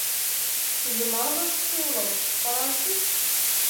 Tzemreḍ ad tessiwleḍ s tefṛensist?